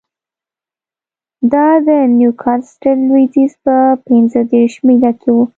دا د نیوکاسټل لوېدیځ په پنځه دېرش میله کې و